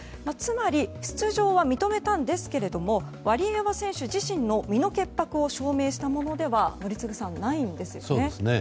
つまり出場は認めたんですけれどもワリエワ選手自身の身の潔白を証明したものではないんです。